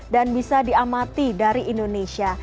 dan bisa diamati dari indonesia